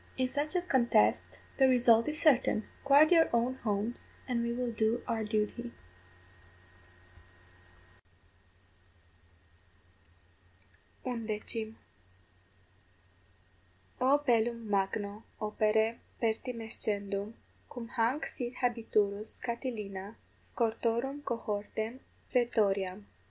In such a contest the result is certain. Guard your own homes, and we will do our duty._ =11.= O bellum magno opere pertimescendum, cum hanc sit 24 habiturus Catilina scortorum cohortem praetoriam!